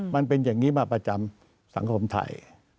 มันเป็นอย่างนี้มาประจำสังคมไทย